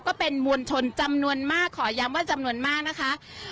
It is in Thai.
ก็เป็นมวลชนจำนวนมากขอย้ำว่าจำนวนมากนะคะ